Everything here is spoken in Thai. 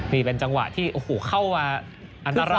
นี่เป็นจังหวะที่เข้ามาอันตรายครับ